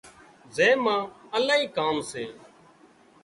زين مان الاهي ڪام سي